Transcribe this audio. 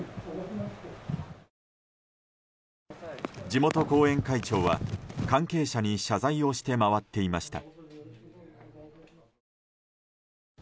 地元後援会長は、関係者に謝罪をして回っていました。